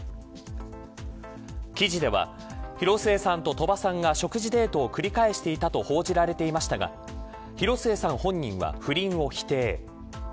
記事では、広末さんと鳥羽さんが食事デートを繰り返していたと報じられていましたが広末さん本人は不倫を否定。